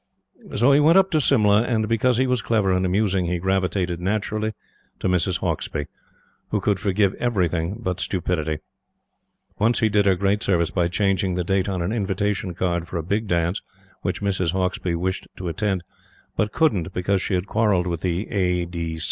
So he went up to Simla, and, because he was clever and amusing, he gravitated naturally to Mrs. Hauksbee, who could forgive everything but stupidity. Once he did her great service by changing the date on an invitation card for a big dance which Mrs. Hauksbee wished to attend, but couldn't because she had quarrelled with the A.